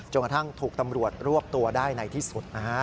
กระทั่งถูกตำรวจรวบตัวได้ในที่สุดนะฮะ